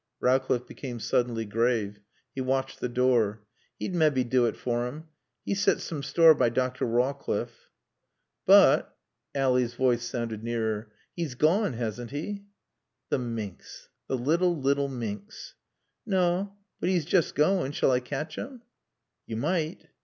Rowcliffe became suddenly grave. He watched the door. "He'd mebbe do it for him. He sats soom store by Dr. Rawcliffe." "But" Ally's voice sounded nearer "he's gone, hasn't he?" (The minx, the little, little minx!) "Naw. But he's joost goin'. Shall I catch him?" "You might."